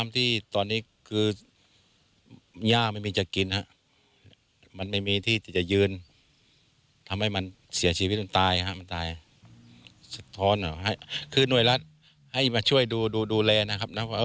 ธอนคือหน่วยรัฐให้มันดูแลนะครับ